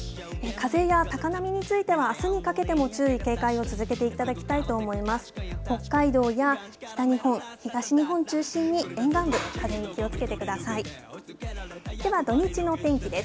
風や高波については、あすにかけても注意、警戒を続けていただきたいと思います。